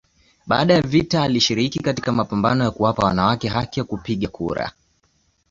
Baada ya vita alishiriki katika mapambano ya kuwapa wanawake haki ya kupiga kura.